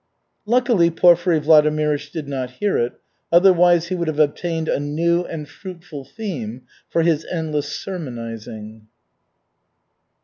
Luckily Porfiry Vladimirych did not hear it, otherwise he would have obtained a new and fruitful theme for his endless sermonizing.